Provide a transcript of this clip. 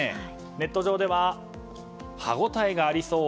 ネット上では歯応えがありそう。